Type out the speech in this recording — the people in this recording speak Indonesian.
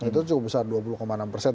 itu cukup besar dua puluh enam persen